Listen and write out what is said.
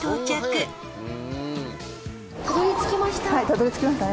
たどりつきましたね。